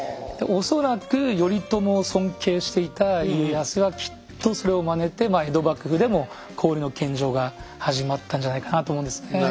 恐らく頼朝を尊敬していた家康はきっとそれをまねて江戸幕府でも氷の献上が始まったんじゃないかなと思うんですね。